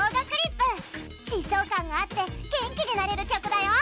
疾走感があって元気になれる曲だよ！